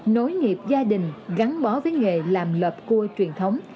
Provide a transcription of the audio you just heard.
nối nghiệp gia đình gắn bó với nghề làm lợp cua truyền thống